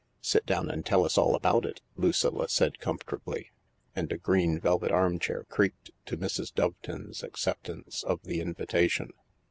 " Sit down and tell us all about it," Lucilla said comfort ably, and a green velvet armchair creaked to Mrs. Doveton 's acceptance of the invitation.